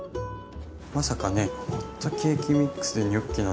まさかねホットケーキミックスでニョッキなんて。